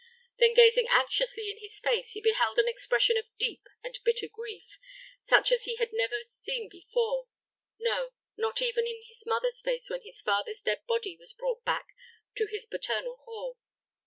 Then gazing anxiously in his face, he beheld an expression of deep and bitter grief, such as he had never seen before; no, not even in his mother's face when his father's dead body was brought back to his paternal hall.